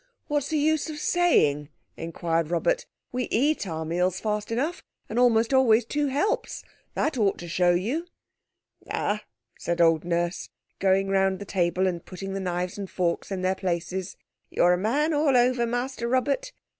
"What's the use of saying?" inquired Robert. "We eat our meals fast enough, and almost always two helps. That ought to show you!" "Ah!" said old Nurse, going round the table and putting the knives and forks in their places; "you're a man all over, Master Robert.